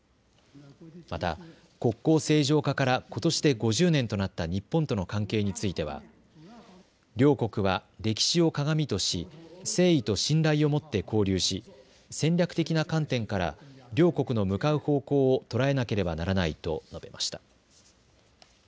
また国交正常化からことしで５０年となった日本との関係については両国は歴史をかがみとし誠意と信頼をもって交流し戦略的な観点から両国の向かう方向を捉えなければならないと述べました。